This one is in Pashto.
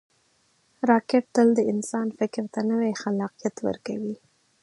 راکټ تل د انسان فکر ته نوی خلاقیت ورکوي